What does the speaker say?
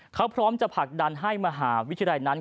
เขาพร้อมจะผลักดันให้มหาวิทยาลัยนั้น